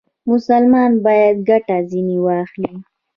مسلمان باید ګټه ځنې واخلي.